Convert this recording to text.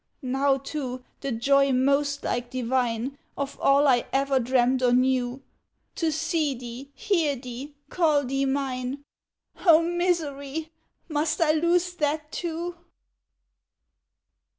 Now, too, the joy most like divine Of all I ever dreamt or knew, To see thee, hear thee, call thee mine, O misery! must I lose that too?"